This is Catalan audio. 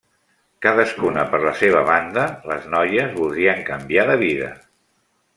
Cadascuna per la seva banda, les noies voldrien canviar de vida.